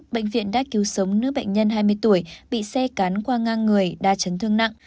bệnh viện đã cứu sống nữ bệnh nhân hai mươi tuổi bị xe cán qua ngang người đa chấn thương nặng